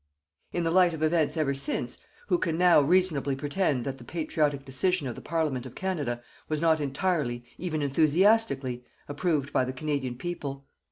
In the light of events ever since, who can now reasonably pretend that the patriotic decision of the Parliament of Canada was not entirely, even enthusiastically, approved by the Canadian people?